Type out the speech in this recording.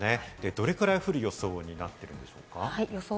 どれくらい降る予想になってるんでしょうか？